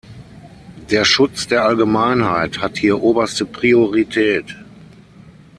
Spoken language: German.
Der Schutz der Allgemeinheit hat hier oberste Priorität.